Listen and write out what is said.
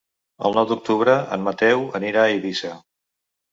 El nou d'octubre en Mateu anirà a Eivissa.